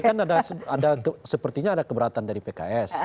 kalau misalnya ada keberatan dari pks